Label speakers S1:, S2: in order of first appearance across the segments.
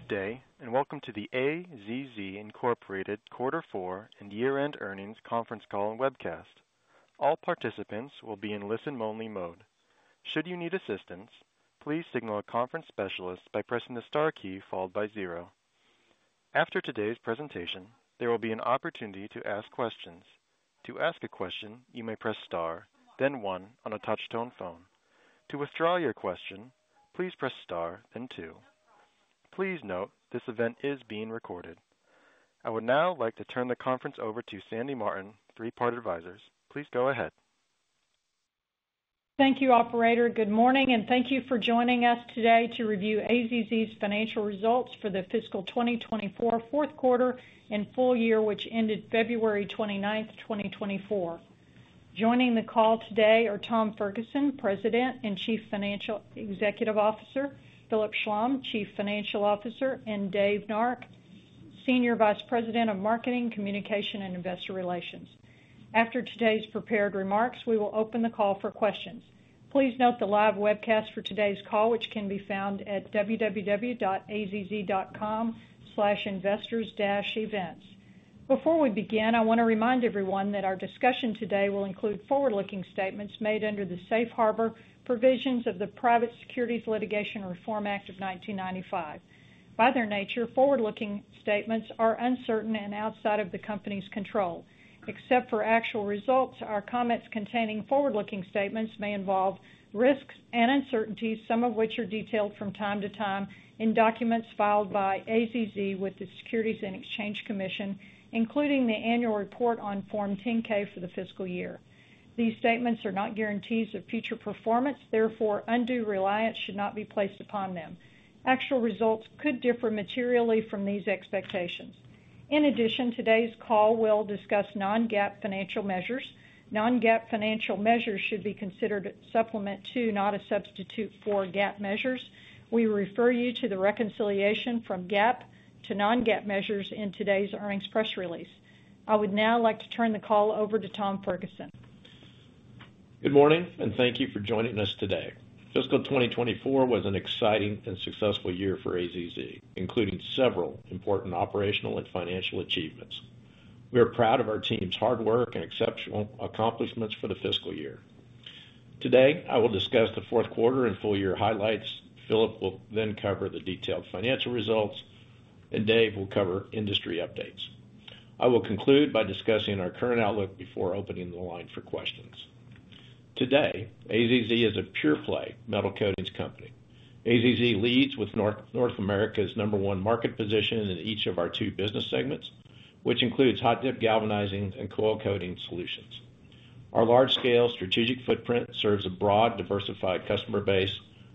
S1: Good day, and welcome to the AZZ Incorporated Quarter Four and Year-End Earnings Conference Call and Webcast. All participants will be in listen-only mode. Should you need assistance, please signal a conference specialist by pressing the star key followed by zero. After today's presentation, there will be an opportunity to ask questions. To ask a question, you may press Star, then One on a touch-tone phone. To withdraw your question, please press Star, then Two. Please note, this event is being recorded. I would now like to turn the conference over to Sandy Martin, Three Part Advisors. Please go ahead.
S2: Thank you, operator. Good morning, and thank you for joining us today to review AZZ's financial results for the fiscal 2024 fourth quarter and full year, which ended February 29, 2024. Joining the call today are Tom Ferguson, President and Chief Executive Officer, Philip Schlom, Chief Financial Officer, and Dave Nark, Senior Vice President of Marketing, Communications, and Investor Relations. After today's prepared remarks, we will open the call for questions. Please note the live webcast for today's call, which can be found at www.azz.com/investors-events. Before we begin, I want to remind everyone that our discussion today will include forward-looking statements made under the safe harbor provisions of the Private Securities Litigation Reform Act of 1995. By their nature, forward-looking statements are uncertain and outside of the company's control. Except for actual results, our comments containing forward-looking statements may involve risks and uncertainties, some of which are detailed from time to time in documents filed by AZZ with the Securities and Exchange Commission, including the annual report on Form 10-K for the fiscal year. These statements are not guarantees of future performance, therefore, undue reliance should not be placed upon them. Actual results could differ materially from these expectations. In addition, today's call will discuss non-GAAP financial measures. Non-GAAP financial measures should be considered a supplement to, not a substitute for, GAAP measures. We refer you to the reconciliation from GAAP to non-GAAP measures in today's earnings press release. I would now like to turn the call over to Tom Ferguson.
S3: Good morning, and thank you for joining us today. Fiscal 2024 was an exciting and successful year for AZZ, including several important operational and financial achievements. We are proud of our team's hard work and exceptional accomplishments for the fiscal year. Today, I will discuss the fourth quarter and full year highlights. Philip will then cover the detailed financial results, and Dave will cover industry updates. I will conclude by discussing our current outlook before opening the line for questions. Today, AZZ is a pure play metal coatings company. AZZ leads with North America's number one market position in each of our two business segments, which includes hot-dip galvanizing and coil coating solutions. Our large-scale strategic footprint serves a broad, diversified customer base,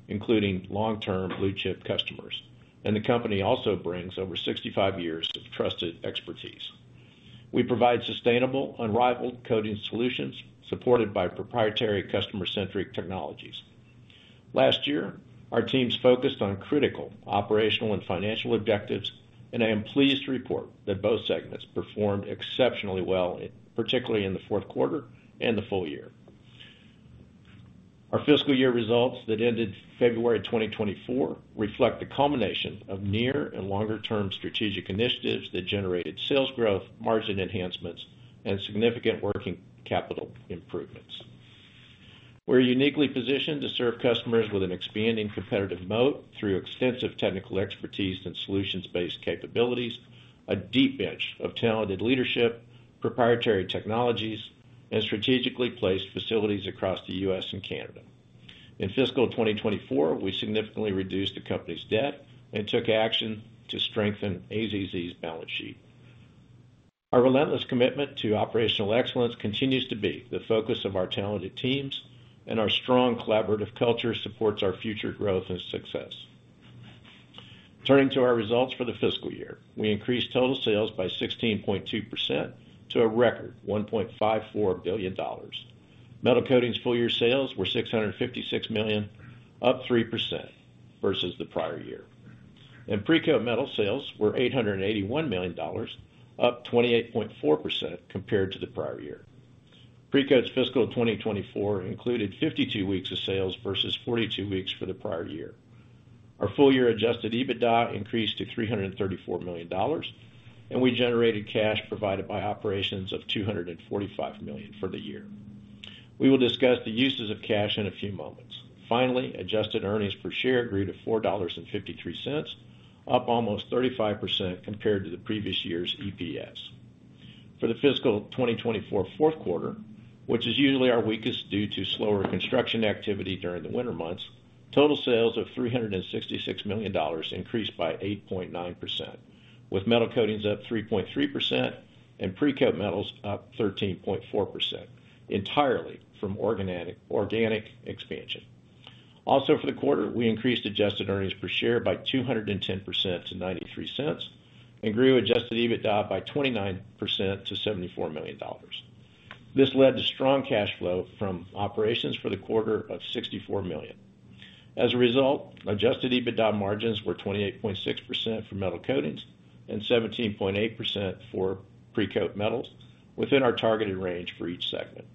S3: including long-term blue-chip customers, and the company also brings over 65 years of trusted expertise. We provide sustainable, unrivaled coating solutions supported by proprietary, customer-centric technologies. Last year, our teams focused on critical operational and financial objectives, and I am pleased to report that both segments performed exceptionally well, particularly in the fourth quarter and the full year. Our fiscal year results that ended February 2024 reflect the culmination of near and longer-term strategic initiatives that generated sales growth, margin enhancements, and significant working capital improvements. We're uniquely positioned to serve customers with an expanding competitive moat through extensive technical expertise and solutions-based capabilities, a deep bench of talented leadership, proprietary technologies, and strategically placed facilities across the U.S. and Canada. In fiscal 2024, we significantly reduced the company's debt and took action to strengthen AZZ's balance sheet. Our relentless commitment to operational excellence continues to be the focus of our talented teams, and our strong collaborative culture supports our future growth and success. Turning to our results for the fiscal year, we increased total sales by 16.2% to a record $1.54 billion. Metal Coatings full-year sales were $656 million, up 3% versus the prior year, and Precoat Metals sales were $881 million, up 28.4% compared to the prior year. Precoat's fiscal 2024 included 52 weeks of sales versus 42 weeks for the prior year. Our full-year Adjusted EBITDA increased to $334 million, and we generated cash provided by operations of $245 million for the year. We will discuss the uses of cash in a few moments. Finally, adjusted earnings per share grew to $4.53, up almost 35% compared to the previous year's EPS. For the fiscal 2024 fourth quarter, which is usually our weakest due to slower construction activity during the winter months, total sales of $366 million increased by 8.9%, with Metal Coatings up 3.3% and Precoat Metals up 13.4%, entirely from organic, organic expansion. Also, for the quarter, we increased adjusted earnings per share by 210% to $0.93 and grew Adjusted EBITDA by 29% to $74 million. This led to strong cash flow from operations for the quarter of $64 million. As a result, Adjusted EBITDA margins were 28.6% for Metal Coatings and 17.8% for Precoat Metals, within our targeted range for each segment.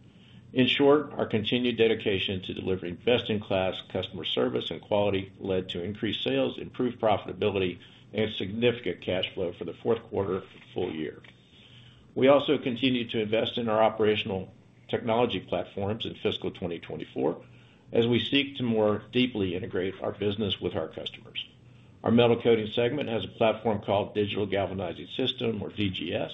S3: In short, our continued dedication to delivering best-in-class customer service and quality led to increased sales, improved profitability, and significant cash flow for the fourth quarter of the full year. We also continued to invest in our operational technology platforms in fiscal 2024, as we seek to more deeply integrate our business with our customers. Our Metal Coatings segment has a platform called Digital Galvanizing System, or DGS,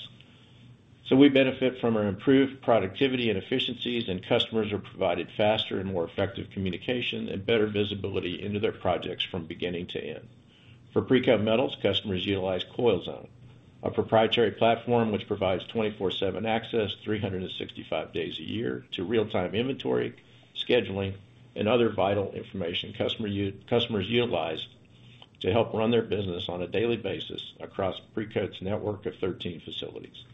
S3: so we benefit from our improved productivity and efficiencies, and customers are provided faster and more effective communication and better visibility into their projects from beginning to end. For Precoat Metals, customers utilize CoilZone, a proprietary platform which provides 24/7 access, 365 days a year, to real-time inventory, scheduling, and other vital information customers utilize to help run their business on a daily basis across Precoat's network of 13 facilities.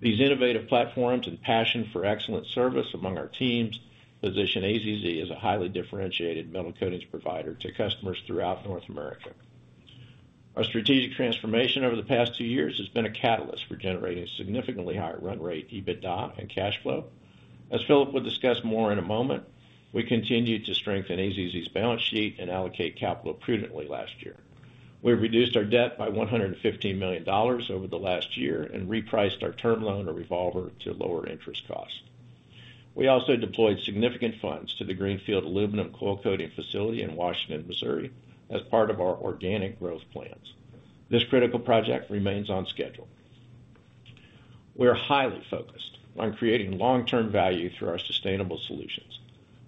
S3: These innovative platforms and passion for excellent service among our teams position AZZ as a highly differentiated metal coatings provider to customers throughout North America. Our strategic transformation over the past two years has been a catalyst for generating significantly higher run rate, EBITDA, and cash flow. As Philip will discuss more in a moment, we continued to strengthen AZZ's balance sheet and allocate capital prudently last year. We reduced our debt by $115 million over the last year and repriced our term loan or revolver to lower interest costs. We also deployed significant funds to the greenfield aluminum coil coating facility in Washington, Missouri, as part of our organic growth plans. This critical project remains on schedule. We are highly focused on creating long-term value through our sustainable solutions.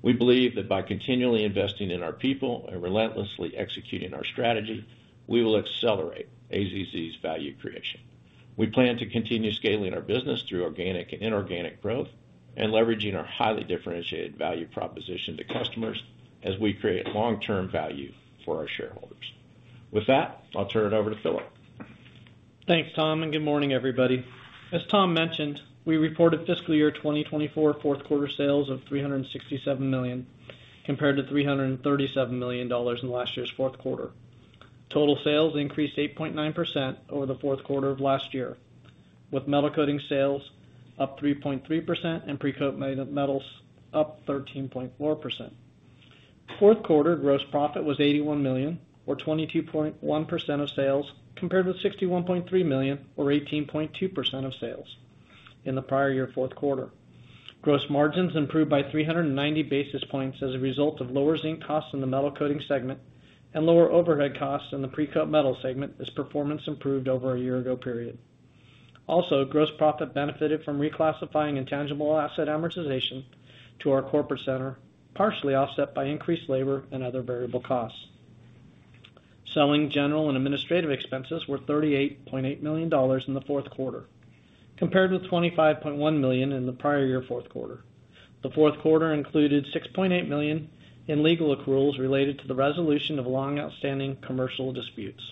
S3: We believe that by continually investing in our people and relentlessly executing our strategy, we will accelerate AZZ's value creation. We plan to continue scaling our business through organic and inorganic growth and leveraging our highly differentiated value proposition to customers as we create long-term value for our shareholders. With that, I'll turn it over to Philip.
S4: Thanks, Tom, and good morning, everybody. As Tom mentioned, we reported fiscal year 2024 fourth quarter sales of $367 million, compared to $337 million in last year's fourth quarter. Total sales increased 8.9% over the fourth quarter of last year, with Metal Coatings sales up 3.3% and Precoat Metals up 13.4%. Fourth quarter gross profit was $81 million, or 22.1% of sales, compared with $61.3 million, or 18.2% of sales in the prior year fourth quarter. Gross margins improved by 390 basis points as a result of lower zinc costs in the Metal Coatings segment and lower overhead costs in the Precoat Metals segment, as performance improved over a year-ago period. Also, gross profit benefited from reclassifying intangible asset amortization to our corporate center, partially offset by increased labor and other variable costs. Selling general and administrative expenses were $38.8 million in the fourth quarter, compared with $25.1 million in the prior year fourth quarter. The fourth quarter included $6.8 million in legal accruals related to the resolution of long-outstanding commercial disputes.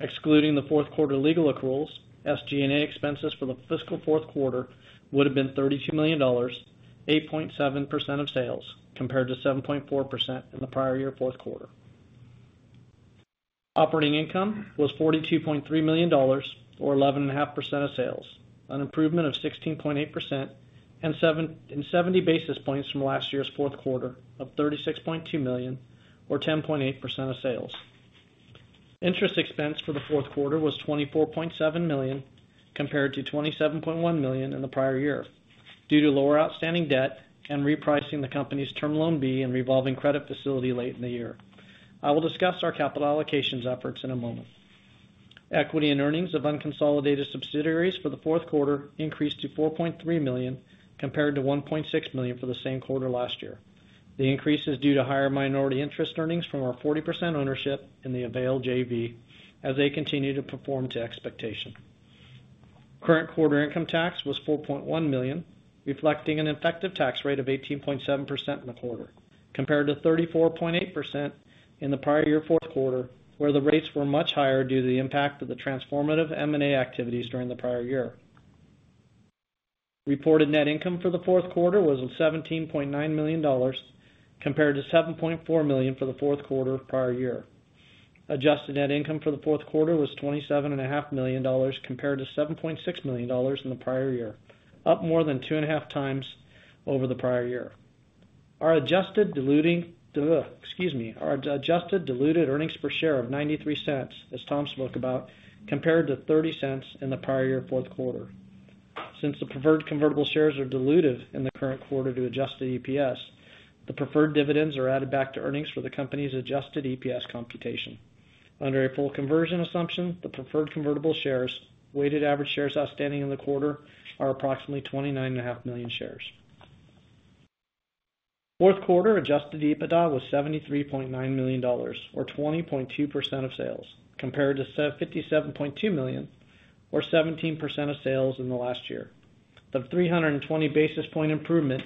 S4: Excluding the fourth quarter legal accruals, SG&A expenses for the fiscal fourth quarter would have been $32 million, 8.7% of sales, compared to 7.4% in the prior year fourth quarter. Operating income was $42.3 million, or 11.5% of sales, an improvement of 16.8% and 70 basis points from last year's fourth quarter of $36.2 million, or 10.8% of sales. Interest expense for the fourth quarter was $24.7 million, compared to $27.1 million in the prior year, due to lower outstanding debt and repricing the company's term loan B and revolving credit facility late in the year. I will discuss our capital allocations efforts in a moment. Equity and earnings of unconsolidated subsidiaries for the fourth quarter increased to $4.3 million, compared to $1.6 million for the same quarter last year. The increase is due to higher minority interest earnings from our 40% ownership in the Avail JV, as they continue to perform to expectation. Current quarter income tax was $4.1 million, reflecting an effective tax rate of 18.7% in the quarter, compared to 34.8% in the prior year fourth quarter, where the rates were much higher due to the impact of the transformative M&A activities during the prior year. Reported net income for the fourth quarter was $17.9 million, compared to $7.4 million for the fourth quarter of the prior year. Adjusted net income for the fourth quarter was $27.5 million, compared to $7.6 million in the prior year, up more than 2.5 times over the prior year. Our adjusted diluting, excuse me, our adjusted diluted earnings per share of $0.93, as Tom spoke about, compared to $0.30 in the prior year fourth quarter. Since the preferred convertible shares are dilutive in the current quarter to adjusted EPS, the preferred dividends are added back to earnings for the company's adjusted EPS computation. Under a full conversion assumption, the preferred convertible shares, weighted average shares outstanding in the quarter, are approximately 29.5 million shares. Fourth quarter adjusted EBITDA was $73.9 million, or 20.2% of sales, compared to seventy $57.2 million, or 17% of sales in the last year. The 320 basis point improvement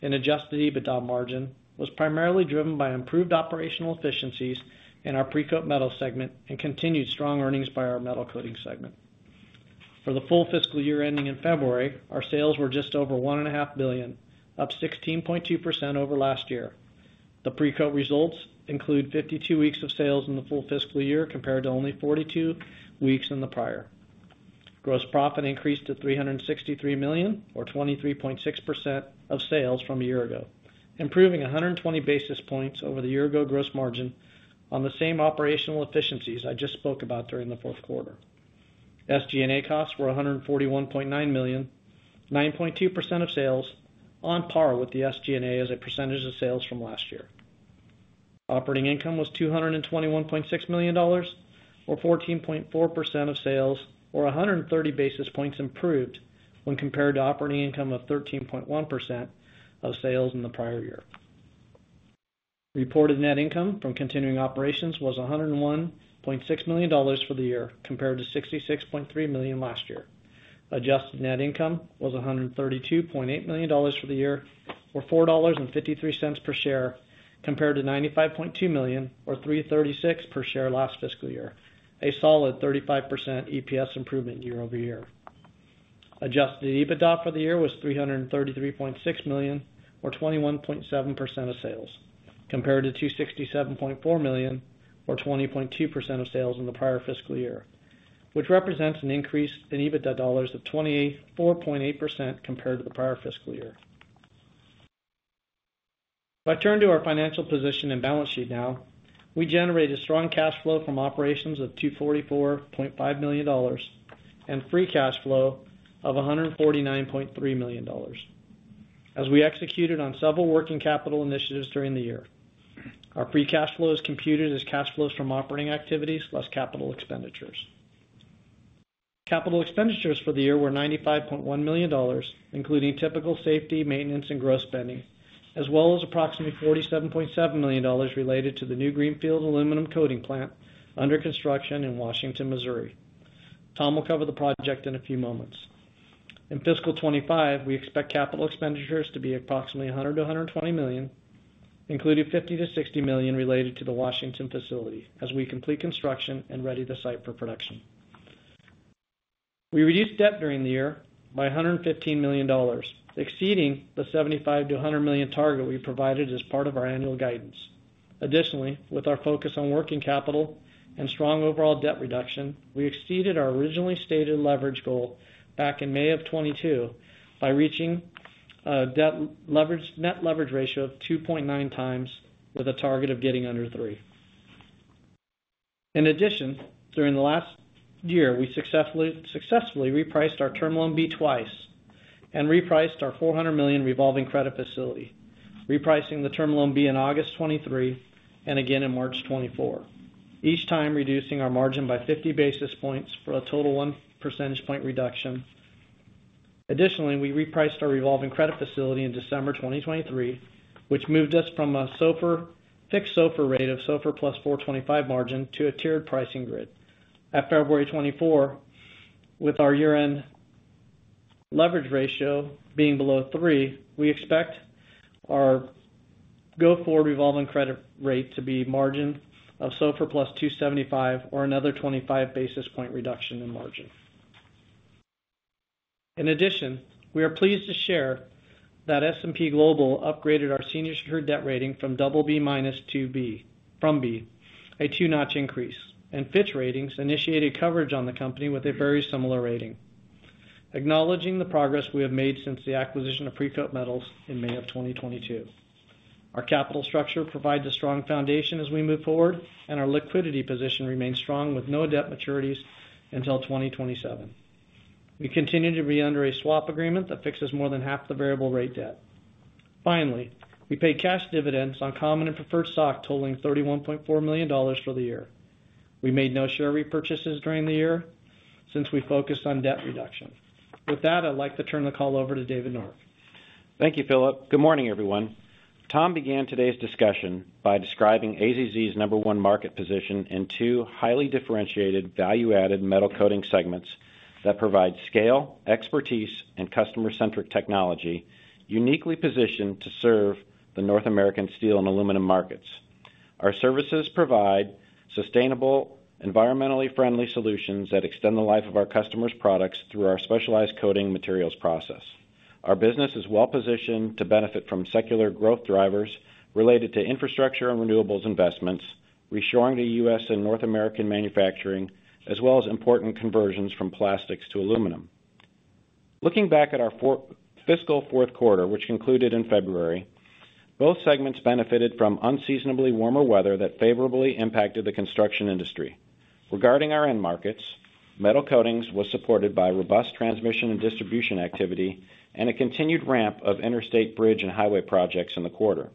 S4: in adjusted EBITDA margin was primarily driven by improved operational efficiencies in our Precoat Metals segment and continued strong earnings by our Metal Coatings segment. For the full fiscal year ending in February, our sales were just over $1.5 billion, up 16.2% over last year. The Precoat results include 52 weeks of sales in the full fiscal year, compared to only 42 weeks in the prior.... Gross profit increased to $363 million, or 23.6% of sales from a year ago, improving 120 basis points over the year ago gross margin on the same operational efficiencies I just spoke about during the fourth quarter. SG&A costs were $141.9 million, 9.2% of sales, on par with the SG&A as a percentage of sales from last year. Operating income was $221.6 million, or 14.4% of sales, or 130 basis points improved when compared to operating income of 13.1% of sales in the prior year. Reported net income from continuing operations was $101.6 million for the year, compared to $66.3 million last year. Adjusted net income was $132.8 million for the year, or $4.53 per share, compared to $95.2 million, or $3.36 per share last fiscal year, a solid 35% EPS improvement year-over-year. Adjusted EBITDA for the year was $333.6 million, or 21.7% of sales, compared to $267.4 million, or 20.2% of sales in the prior fiscal year, which represents an increase in EBITDA dollars of 24.8% compared to the prior fiscal year. If I turn to our financial position and balance sheet now, we generated strong cash flow from operations of $244.5 million, and free cash flow of $149.3 million, as we executed on several working capital initiatives during the year. Our free cash flow is computed as cash flows from operating activities plus capital expenditures. Capital expenditures for the year were $95.1 million, including typical safety, maintenance, and gross spending, as well as approximately $47.7 million related to the new greenfield aluminum coating plant under construction in Washington, Missouri. Tom will cover the project in a few moments. In fiscal 2025, we expect capital expenditures to be approximately $100 million-$120 million, including $50 million-$60 million related to the Washington facility, as we complete construction and ready the site for production. We reduced debt during the year by $115 million, exceeding the $75 million-$100 million target we provided as part of our annual guidance. Additionally, with our focus on working capital and strong overall debt reduction, we exceeded our originally stated leverage goal back in May 2022 by reaching a net leverage ratio of 2.9x, with a target of getting under 3x. In addition, during the last year, we successfully repriced our term loan B twice and repriced our $400 million revolving credit facility, repricing the term loan B in August 2023 and again in March 2024, each time reducing our margin by 50 basis points for a total 1 percentage point reduction. Additionally, we repriced our revolving credit facility in December 2023, which moved us from a SOFR fixed SOFR rate of SOFR plus 4.25 margin to a tiered pricing grid. At February 2024, with our year-end leverage ratio being below 3, we expect our go-forward revolving credit rate to be margin of SOFR plus 2.75, or another 25 basis point reduction in margin. In addition, we are pleased to share that S&P Global upgraded our senior secured debt rating from double B minus to B, from B, a two-notch increase, and Fitch Ratings initiated coverage on the company with a very similar rating, acknowledging the progress we have made since the acquisition of Precoat Metals in May of 2022. Our capital structure provides a strong foundation as we move forward, and our liquidity position remains strong with no debt maturities until 2027. We continue to be under a swap agreement that fixes more than half the variable rate debt. Finally, we paid cash dividends on common and preferred stock, totaling $31.4 million for the year. We made no share repurchases during the year since we focused on debt reduction. With that, I'd like to turn the call over to Dave Nark.
S5: Thank you, Philip. Good morning, everyone. Tom began today's discussion by describing AZZ's number one market position in two highly differentiated, value-added metal coating segments that provide scale, expertise, and customer-centric technology, uniquely positioned to serve the North American steel and aluminum markets. Our services provide sustainable, environmentally friendly solutions that extend the life of our customers' products through our specialized coating materials process. Our business is well-positioned to benefit from secular growth drivers related to infrastructure and renewables investments, reshoring the U.S. and North American manufacturing, as well as important conversions from plastics to aluminum. Looking back at our fiscal fourth quarter, which concluded in February, both segments benefited from unseasonably warmer weather that favorably impacted the construction industry. Regarding our end markets, Metal Coatings was supported by robust transmission and distribution activity and a continued ramp of interstate bridge and highway projects in the quarter.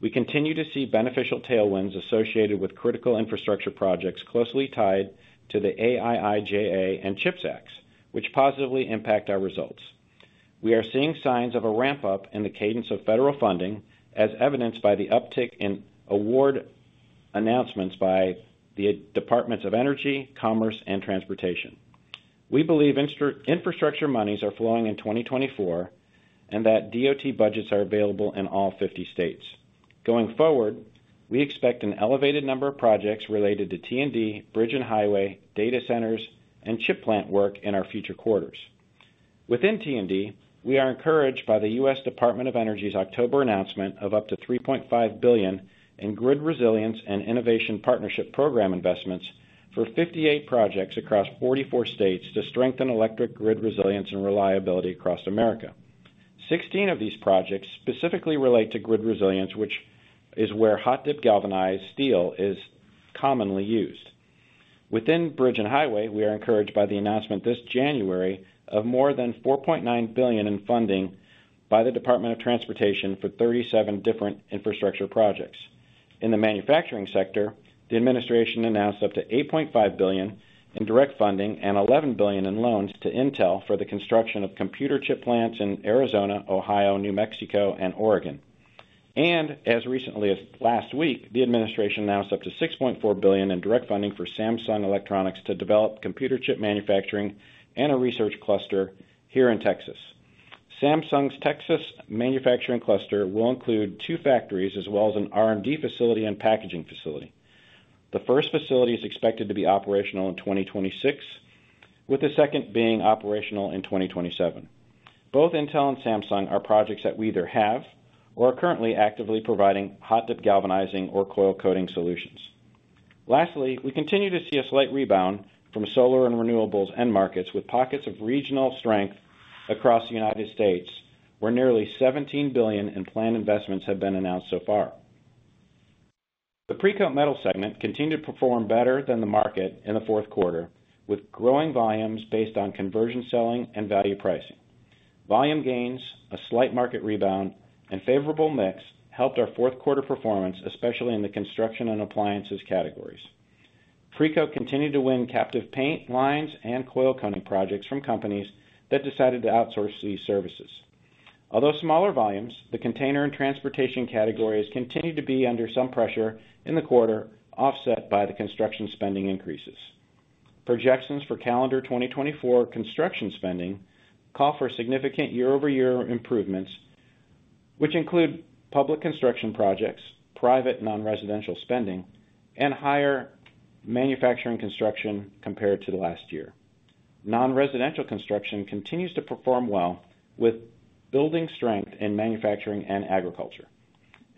S5: We continue to see beneficial tailwinds associated with critical infrastructure projects closely tied to the IIJA and CHIPS Acts, which positively impact our results. We are seeing signs of a ramp-up in the cadence of federal funding, as evidenced by the uptick in award announcements by the Departments of Energy, Commerce, and Transportation. We believe infrastructure monies are flowing in 2024, and that DOT budgets are available in all 50 states. Going forward, we expect an elevated number of projects related to T&D, bridge and highway, data centers, and chip plant work in our future quarters.... Within T&D, we are encouraged by the U.S. Department of Energy's October announcement of up to $3.5 billion in Grid Resilience and Innovation Partnership program investments for 58 projects across 44 states to strengthen electric grid resilience and reliability across America. 16 of these projects specifically relate to grid resilience, which is where hot-dip galvanized steel is commonly used. Within bridge and highway, we are encouraged by the announcement this January of more than $4.9 billion in funding by the Department of Transportation for 37 different infrastructure projects. In the manufacturing sector, the administration announced up to $8.5 billion in direct funding and $11 billion in loans to Intel for the construction of computer chip plants in Arizona, Ohio, New Mexico, and Oregon. As recently as last week, the administration announced up to $6.4 billion in direct funding for Samsung Electronics to develop computer chip manufacturing and a research cluster here in Texas. Samsung's Texas manufacturing cluster will include two factories as well as an R&D facility and packaging facility. The first facility is expected to be operational in 2026, with the second being operational in 2027. Both Intel and Samsung are projects that we either have or are currently actively providing hot-dip galvanizing or coil coating solutions. Lastly, we continue to see a slight rebound from solar and renewables end markets, with pockets of regional strength across the United States, where nearly $17 billion in planned investments have been announced so far. The Precoat Metals segment continued to perform better than the market in the fourth quarter, with growing volumes based on conversion selling and value pricing. Volume gains, a slight market rebound, and favorable mix helped our fourth quarter performance, especially in the construction and appliances categories. Precoat continued to win captive paint lines and coil coating projects from companies that decided to outsource these services. Although smaller volumes, the container and transportation categories continued to be under some pressure in the quarter, offset by the construction spending increases. Projections for calendar 2024 construction spending call for significant year-over-year improvements, which include public construction projects, private non-residential spending, and higher manufacturing construction compared to the last year. Non-residential construction continues to perform well, with building strength in manufacturing and agriculture.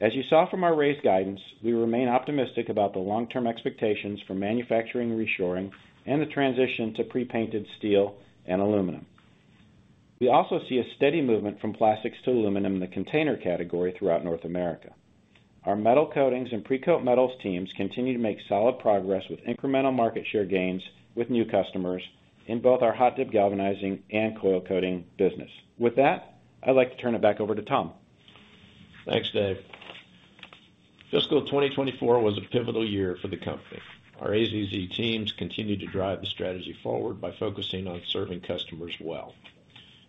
S5: As you saw from our raised guidance, we remain optimistic about the long-term expectations for manufacturing reshoring and the transition to pre-painted steel and aluminum. We also see a steady movement from plastics to aluminum in the container category throughout North America. Our Metal Coatings and Precoat Metals teams continue to make solid progress with incremental market share gains with new customers in both our hot-dip galvanizing and coil coating business. With that, I'd like to turn it back over to Tom.
S3: Thanks, Dave. Fiscal 2024 was a pivotal year for the company. Our AZZ teams continued to drive the strategy forward by focusing on serving customers well,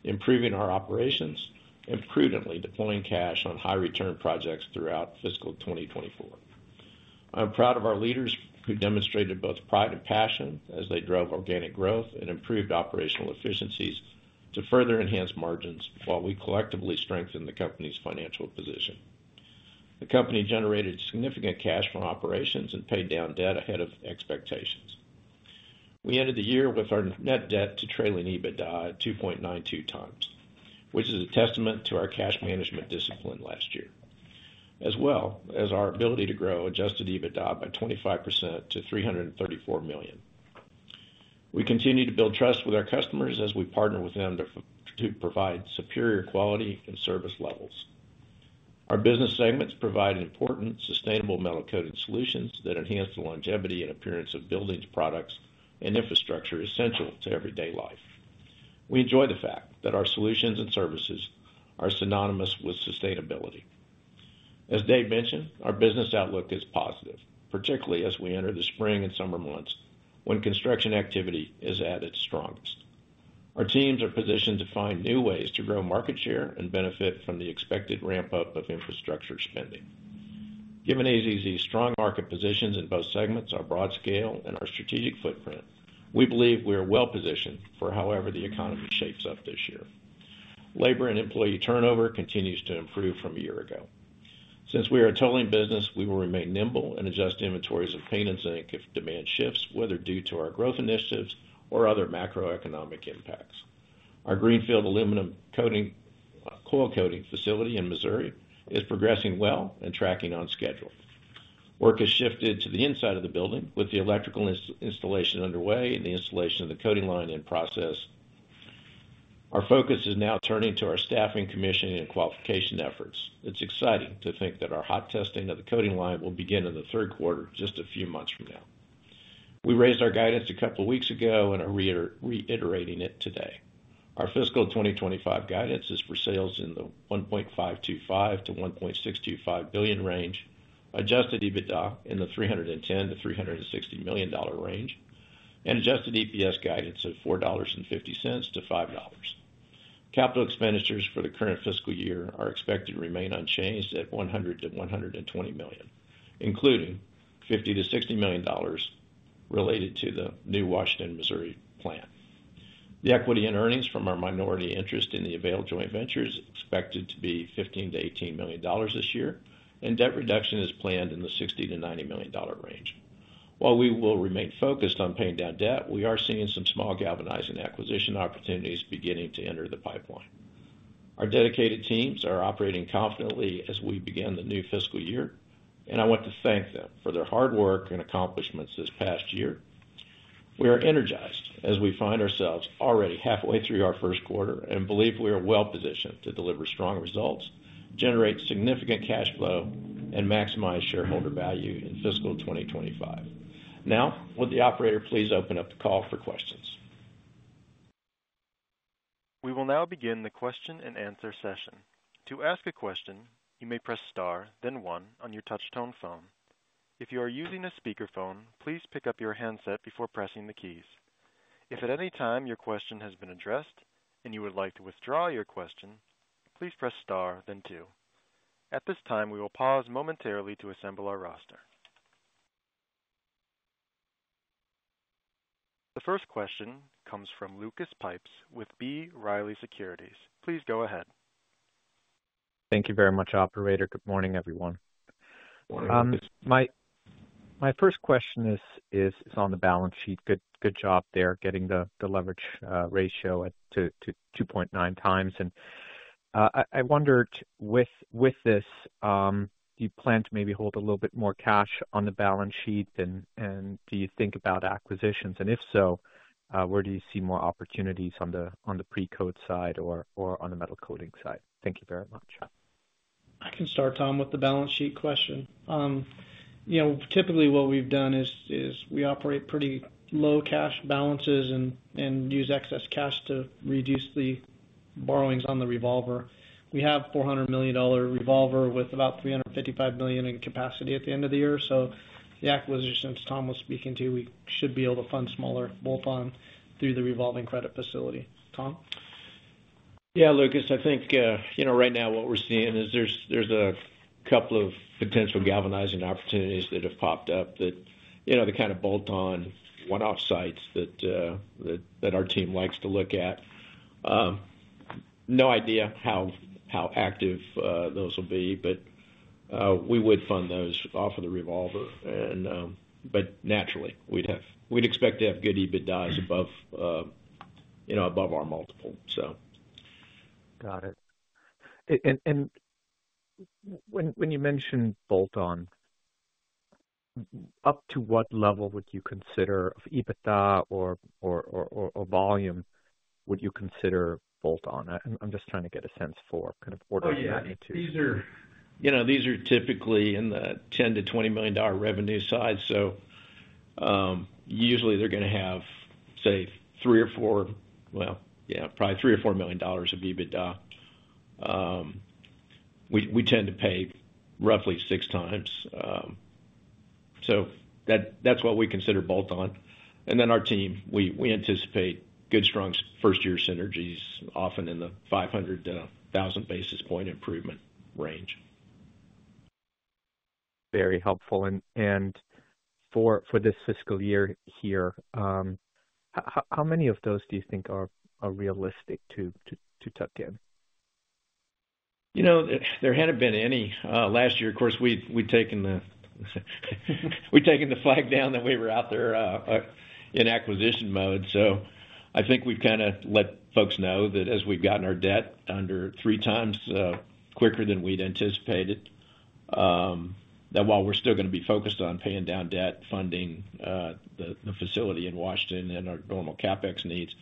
S3: improving our operations, and prudently deploying cash on high return projects throughout fiscal 2024. I'm proud of our leaders, who demonstrated both pride and passion as they drove organic growth and improved operational efficiencies to further enhance margins while we collectively strengthened the company's financial position. The company generated significant cash from operations and paid down debt ahead of expectations. We ended the year with our net debt to trailing EBITDA at 2.92x, which is a testament to our cash management discipline last year, as well as our ability to grow adjusted EBITDA by 25% to $334 million. We continue to build trust with our customers as we partner with them to provide superior quality and service levels. Our business segments provide important, sustainable metal coated solutions that enhance the longevity and appearance of buildings, products, and infrastructure essential to everyday life. We enjoy the fact that our solutions and services are synonymous with sustainability. As Dave mentioned, our business outlook is positive, particularly as we enter the spring and summer months, when construction activity is at its strongest. Our teams are positioned to find new ways to grow market share and benefit from the expected ramp-up of infrastructure spending. Given AZZ's strong market positions in both segments, our broad scale, and our strategic footprint, we believe we are well positioned for however the economy shapes up this year. Labor and employee turnover continues to improve from a year ago. Since we are a tolling business, we will remain nimble and adjust inventories of paint and zinc if demand shifts, whether due to our growth initiatives or other macroeconomic impacts. Our greenfield aluminum coating, coil coating facility in Missouri is progressing well and tracking on schedule. Work has shifted to the inside of the building, with the electrical installation underway and the installation of the coating line in process. Our focus is now turning to our staffing, commissioning, and qualification efforts. It's exciting to think that our hot testing of the coating line will begin in the third quarter, just a few months from now. We raised our guidance a couple of weeks ago and are reiterating it today. Our fiscal 2025 guidance is for sales in the $1.525 billion-$1.625 billion range, Adjusted EBITDA in the $310 million-$360 million range, and Adjusted EPS guidance of $4.50-$5.00. Capital expenditures for the current fiscal year are expected to remain unchanged at $100 million-$120 million, including $50 million-$60 million related to the new Washington, Missouri plant. The equity and earnings from our minority interest in the Avail joint venture is expected to be $15 million-$18 million this year, and debt reduction is planned in the $60 million-$90 million range. While we will remain focused on paying down debt, we are seeing some small galvanizing acquisition opportunities beginning to enter the pipeline. Our dedicated teams are operating confidently as we begin the new fiscal year, and I want to thank them for their hard work and accomplishments this past year. We are energized as we find ourselves already halfway through our first quarter and believe we are well-positioned to deliver strong results, generate significant cash flow, and maximize shareholder value in fiscal 2025. Now, will the operator please open up the call for questions?
S1: We will now begin the question-and-answer session. To ask a question, you may press Star, then one on your touchtone phone. If you are using a speakerphone, please pick up your handset before pressing the keys. If at any time your question has been addressed and you would like to withdraw your question, please press Star, then two. At this time, we will pause momentarily to assemble our roster. The first question comes from Lucas Pipes with B. Riley Securities. Please go ahead.
S6: Thank you very much, operator. Good morning, everyone.
S3: Good morning, Lucas.
S6: My first question is on the balance sheet. Good job there, getting the leverage ratio at 2.9x. And I wondered with this, do you plan to maybe hold a little bit more cash on the balance sheet than and do you think about acquisitions? And if so, where do you see more opportunities on the Precoat side or on the Metal Coatings side? Thank you very much.
S4: I can start, Tom, with the balance sheet question. You know, typically what we've done is we operate pretty low cash balances and use excess cash to reduce the borrowings on the revolver. We have $400 million revolver with about $355 million in capacity at the end of the year. So the acquisitions Tom was speaking to, we should be able to fund smaller bolt-on through the revolving credit facility. Tom?
S3: Yeah, Lucas, I think, you know, right now what we're seeing is there's a couple of potential galvanizing opportunities that have popped up that, you know, the kind of bolt-on one-off sites that our team likes to look at. No idea how active those will be, but we would fund those off of the revolver and, but naturally, we'd have—we'd expect to have good EBITDAs above, you know, above our multiple, so.
S6: Got it. And when you mention bolt-on, up to what level would you consider of EBITDA or volume would you consider bolt-on? I'm just trying to get a sense for kind of order of magnitude.
S3: Oh, yeah. These are, you know, these are typically in the $10 million-$20 million revenue side. So, usually they're gonna have, say, $3 million or $4 million... Well, yeah, probably $3 million or $4 million of EBITDA. We tend to pay roughly 6x. So that's what we consider bolt-on. And then our team, we anticipate good, strong first year synergies, often in the 500,000 basis point improvement range.
S6: Very helpful. And for this fiscal year here, how many of those do you think are realistic to tuck in?
S3: You know, there hadn't been any last year. Of course, we'd taken the flag down that we were out there in acquisition mode. So I think we've kinda let folks know that as we've gotten our debt under three times quicker than we'd anticipated, that while we're still gonna be focused on paying down debt, funding the facility in Washington and our normal CapEx needs.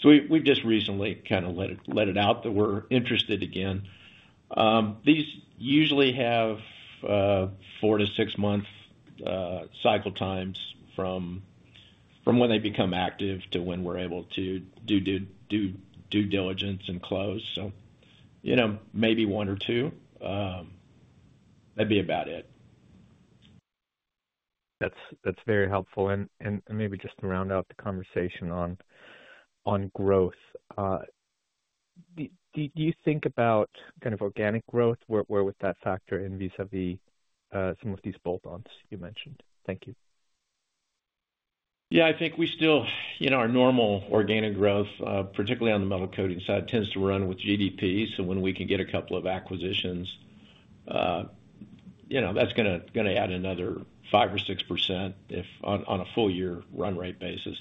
S3: So we've just recently kind of let it out that we're interested again. These usually have four- to six-month cycle times from when they become active to when we're able to do due diligence and close. So, you know, maybe one or two, that'd be about it.
S6: That's, that's very helpful. And, and maybe just to round out the conversation on, on growth, do, do you think about kind of organic growth? Where, where would that factor in vis-à-vis, some of these bolt-ons you mentioned? Thank you.
S3: Yeah, I think we still, you know, our normal organic growth, particularly on the metal coating side, tends to run with GDP. So when we can get a couple of acquisitions, you know, that's gonna add another 5 or 6% if on a full year run rate basis.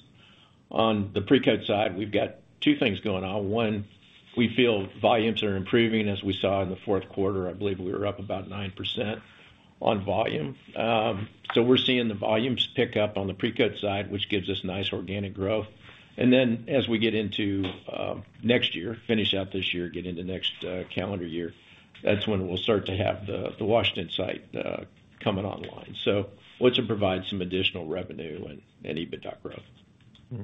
S3: On the pre-coat side, we've got two things going on. One, we feel volumes are improving, as we saw in the fourth quarter. I believe we were up about 9% on volume. So we're seeing the volumes pick up on the pre-coat side, which gives us nice organic growth. And then as we get into next year, finish out this year, get into next calendar year, that's when we'll start to have the Washington site coming online. So which will provide some additional revenue and EBITDA growth.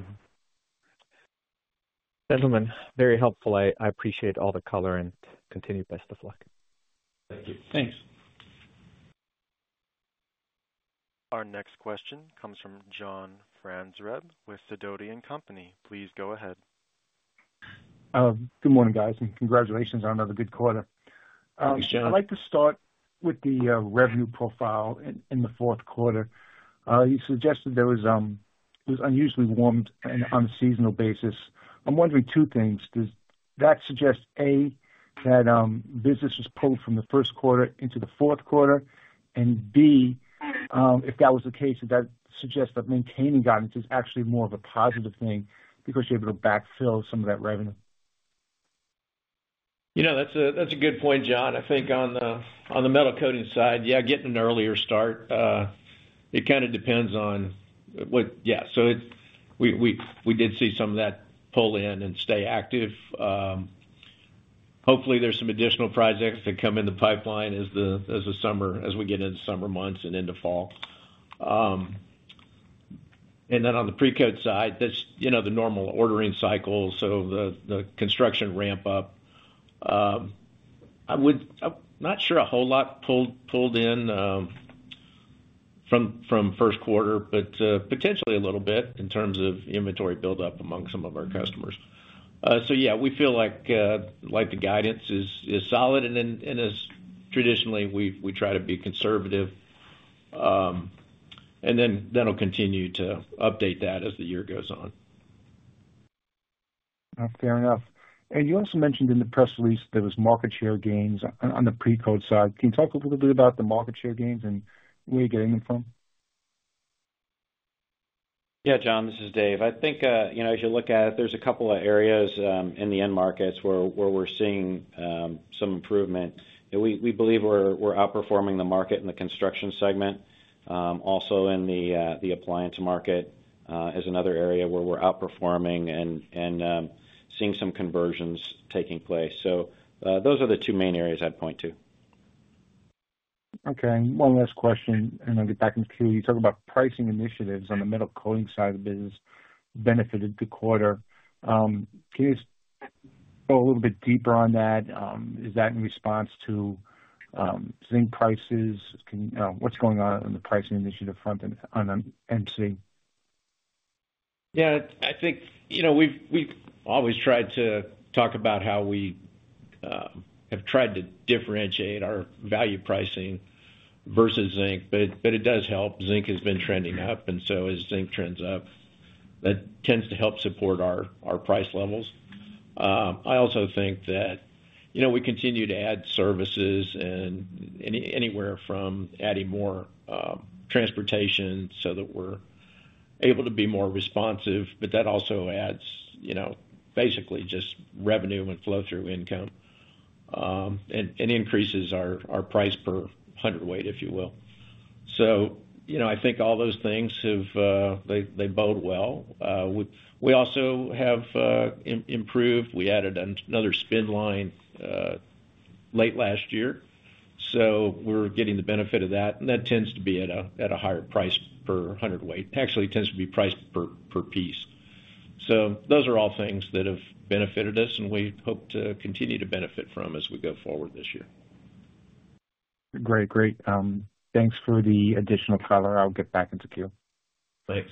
S6: Gentlemen, very helpful. I, I appreciate all the color and continued best of luck.
S3: Thank you.
S4: Thanks.
S1: Our next question comes from John Franzreb with Sidoti & Company. Please go ahead.
S7: Good morning, guys, and congratulations on another good quarter.
S3: Thank you.
S7: I'd like to start with the revenue profile in the fourth quarter. You suggested there was unusually warm on a seasonal basis. I'm wondering two things: Does that suggest, A, that business was pulled from the first quarter into the fourth quarter? And B, if that was the case, does that suggest that maintaining guidance is actually more of a positive thing because you're able to backfill some of that revenue?
S3: You know, that's a good point, John. I think on the metal coating side, yeah, getting an earlier start, it kind of depends on what. Yeah, so we did see some of that pull in and stay active. Hopefully, there's some additional projects that come in the pipeline as the summer, as we get into summer months and into fall. And then on the pre-coat side, that's, you know, the normal ordering cycle, so the construction ramp up. I would. I'm not sure a whole lot pulled in from first quarter, but potentially a little bit in terms of inventory buildup among some of our customers. So yeah, we feel like the guidance is solid, and then, and as traditionally, we try to be conservative. And then we'll continue to update that as the year goes on.
S7: Fair enough. You also mentioned in the press release there was market share gains on the Precoat side. Can you talk a little bit about the market share gains and where you're getting them from?
S5: Yeah, John, this is Dave. I think, you know, as you look at it, there's a couple of areas in the end markets where we're seeing some improvement. And we believe we're outperforming the market in the construction segment. Also in the appliance market is another area where we're outperforming and seeing some conversions taking place. So, those are the two main areas I'd point to.
S7: Okay, one last question, and I'll get back in the queue. You talk about pricing initiatives on the Metal Coatings side of the business benefited the quarter. Can you go a little bit deeper on that? Is that in response to zinc prices? What's going on in the pricing initiative front on MC?
S3: Yeah, I think, you know, we've always tried to talk about how we have tried to differentiate our value pricing versus zinc, but it does help. Zinc has been trending up, and so as zinc trends up, that tends to help support our price levels. I also think that, you know, we continue to add services and anywhere from adding more transportation so that we're able to be more responsive, but that also adds, you know, basically just revenue and flow-through income, and increases our price per hundredweight, if you will. So, you know, I think all those things have they bode well. We also have improved. We added another spin line late last year, so we're getting the benefit of that, and that tends to be at a higher price per hundredweight. Actually, it tends to be priced per piece. So those are all things that have benefited us, and we hope to continue to benefit from as we go forward this year.
S7: Great. Great. Thanks for the additional color. I'll get back into queue.
S3: Thanks.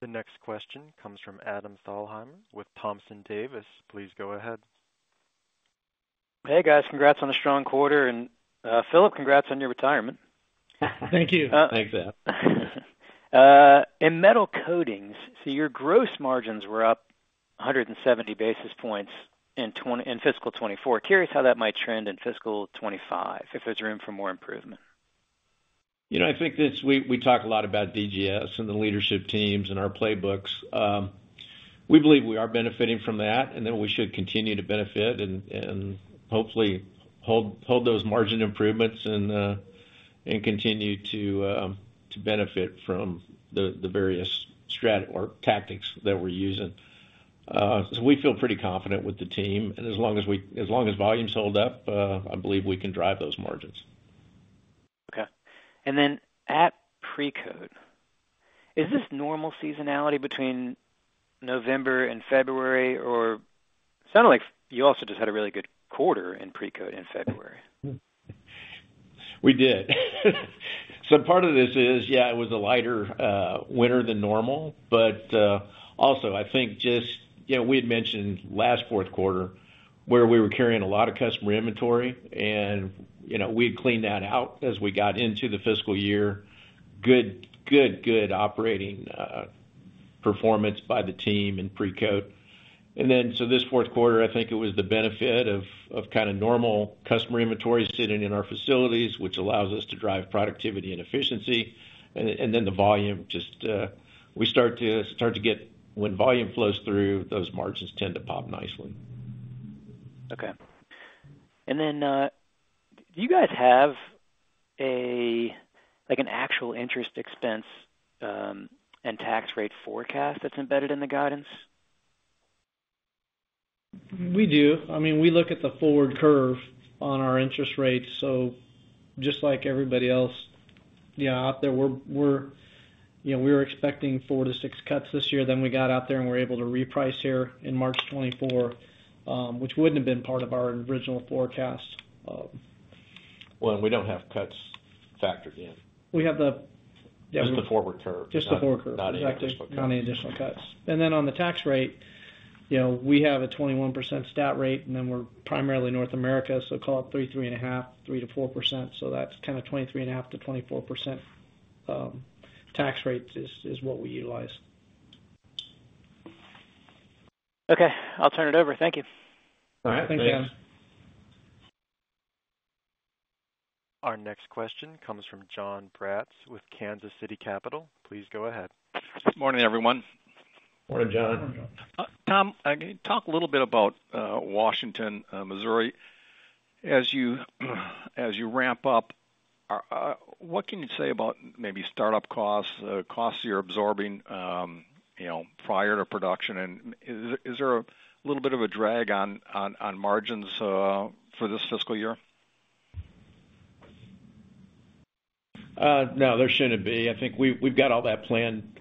S1: The next question comes from Adam Thalhimer with Thompson Davis. Please go ahead.
S8: Hey, guys, congrats on the strong quarter, and, Philip, congrats on your retirement.
S4: Thank you.
S3: Thanks, Adam.
S8: In Metal Coatings, so your gross margins were up 100 basis points in fiscal 2024. Curious how that might trend in fiscal 2025, if there's room for more improvement.
S3: You know, I think we talk a lot about DGS and the leadership teams and our playbooks. We believe we are benefiting from that, and then we should continue to benefit and hopefully hold those margin improvements and continue to benefit from the various tactics that we're using. So we feel pretty confident with the team, and as long as volumes hold up, I believe we can drive those margins.
S8: Okay. And then at Precoat, is this normal seasonality between November and February, or sounded like you also just had a really good quarter in Precoat in February?
S3: We did. So part of this is, yeah, it was a lighter winter than normal, but also I think just, you know, we had mentioned last fourth quarter, where we were carrying a lot of customer inventory, and, you know, we had cleaned that out as we got into the fiscal year. Good, good, good operating performance by the team in Precoat. And then, so this fourth quarter, I think it was the benefit of kind of normal customer inventory sitting in our facilities, which allows us to drive productivity and efficiency. And then the volume just, we start to get—when volume flows through, those margins tend to pop nicely.
S8: Okay. And then, do you guys have a, like, an actual interest expense, and tax rate forecast that's embedded in the guidance?
S4: We do. I mean, we look at the forward curve on our interest rates, so just like everybody else, yeah, out there, we're, you know, we were expecting four to six cuts this year, then we got out there and were able to reprice here in March 2024, which wouldn't have been part of our original forecast.
S3: Well, and we don't have cuts factored in.
S4: We have.
S3: Just the forward curve.
S4: Just the forward curve.
S3: Not any additional cuts.
S4: Not any additional cuts. And then on the tax rate-
S3: You know, we have a 21% stat rate, and then we're primarily North America, so call it 3%, 3.5%, 3%-4%. So that's kind of 23.5%-24% tax rate is what we utilize.
S8: Okay, I'll turn it over. Thank you.
S3: All right. Thanks, Adam.
S1: Our next question comes from Jon Braatz with Kansas City Capital. Please go ahead.
S9: Good morning, everyone.
S3: Morning, John.
S9: Tom, can you talk a little bit about Washington, Missouri? As you ramp up, what can you say about maybe startup costs, costs you're absorbing, you know, prior to production? And is there a little bit of a drag on margins for this fiscal year?
S3: No, there shouldn't be. I think we've got all that planned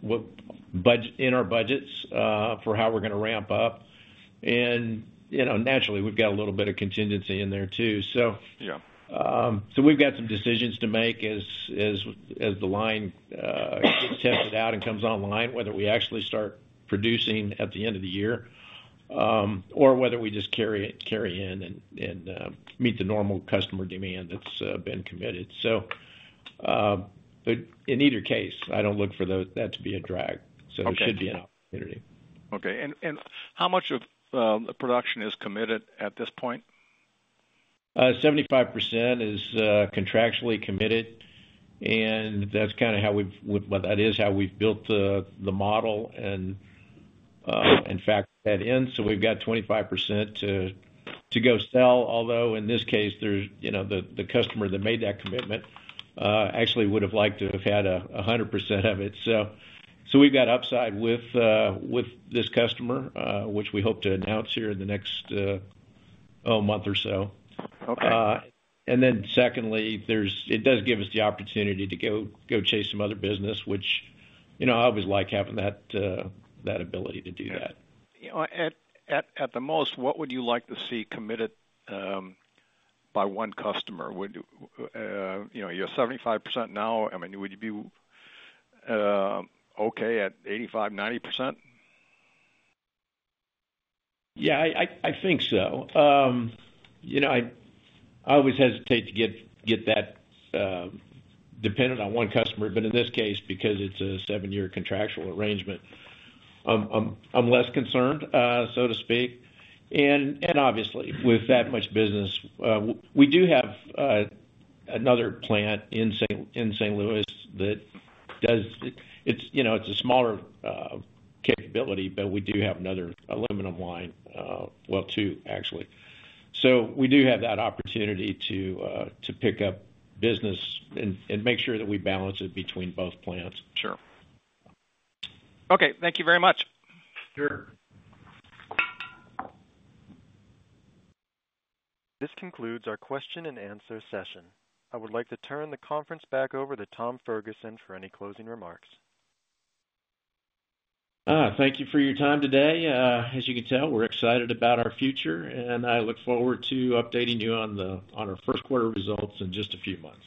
S3: within our budgets for how we're gonna ramp up. And, you know, naturally, we've got a little bit of contingency in there, too.
S9: Yeah.
S3: So we've got some decisions to make as the line gets tested out and comes online, whether we actually start producing at the end of the year, or whether we just carry in and meet the normal customer demand that's been committed. So, but in either case, I don't look for that to be a drag.
S9: Okay.
S3: So there should be an opportunity.
S9: Okay. And how much of the production is committed at this point?
S3: 75% is contractually committed, and that's kind of how we've—well, that is how we've built the model and factor that in. So we've got 25% to go sell, although, in this case, there's, you know, the customer that made that commitment actually would have liked to have had 100% of it. So we've got upside with this customer, which we hope to announce here in the next oh, month or so.
S9: Okay.
S3: And then secondly, there's, it does give us the opportunity to go chase some other business, which, you know, I always like having that ability to do that.
S9: You know, at the most, what would you like to see committed by one customer? You know, you're 75% now. I mean, would you be okay at 85%, 90%?
S3: Yeah, I think so. You know, I always hesitate to get that dependent on one customer, but in this case, because it's a seven-year contractual arrangement, I'm less concerned, so to speak. And obviously, with that much business, we do have another plant in St. Louis that does. It's, you know, it's a smaller capability, but we do have another aluminum line, well, two, actually. So we do have that opportunity to pick up business and make sure that we balance it between both plants.
S9: Sure. Okay, thank you very much.
S3: Sure.
S1: This concludes our question and answer session. I would like to turn the conference back over to Tom Ferguson for any closing remarks.
S3: Thank you for your time today. As you can tell, we're excited about our future, and I look forward to updating you on our first quarter results in just a few months.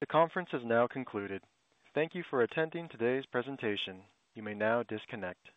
S1: The conference has now concluded. Thank you for attending today's presentation. You may now disconnect.